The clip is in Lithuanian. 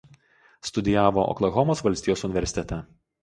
Studijavo Oklahomos valstijos universitete.